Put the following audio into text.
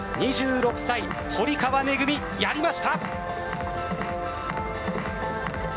２６歳、堀川恵やりました。